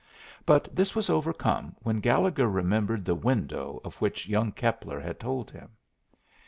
But this was overcome when Gallegher remembered the window of which young Keppler had told him.